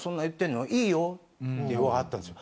って言わはったんですよ。